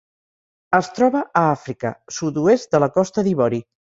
Es troba a Àfrica: sud-oest de la Costa d'Ivori.